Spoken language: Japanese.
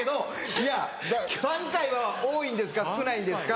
いや３回は多いんですか？